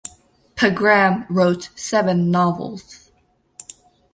Pegram wrote seven novels.